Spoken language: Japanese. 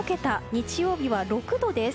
日曜日は６度です。